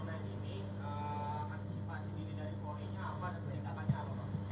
aktivasi dini dari polinya apa dan tindakannya apa